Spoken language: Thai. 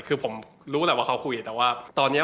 คือผมรู้แหละว่าเขาคุย